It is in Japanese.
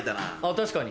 確かに。